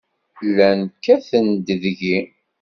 Llan kkaten-d deg-i.